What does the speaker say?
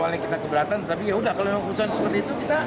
karena kita keberatan tapi yaudah kalau memang keputusan seperti itu